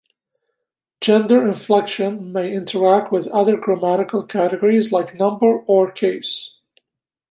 Gender inflection may interact with other grammatical categories like number or case.